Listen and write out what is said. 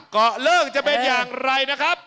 เกาะเลิกจะเป็นอย่างไรนะครับ